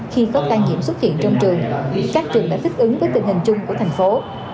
khi có ca nhiễm xuất hiện trong trường các trường đã thích ứng với tình hình chung của thành phố